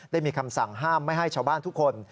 ได้มีคำสั่งห้ามไม่ให้ชาวบ้านทุกคน